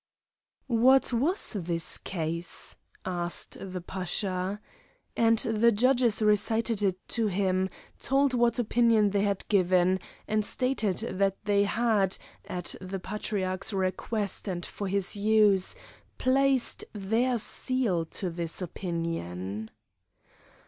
"What was this case?" asked the Pasha. And the judges recited it to him, told what opinion they had given, and stated that they had, at the Patriarch's request and for his use, placed their seal to this opinion.